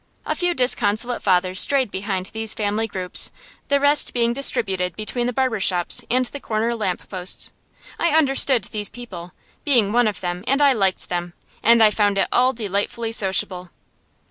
A few disconsolate fathers strayed behind these family groups, the rest being distributed between the barber shops and the corner lamp posts. I understood these people, being one of them, and I liked them, and I found it all delightfully sociable.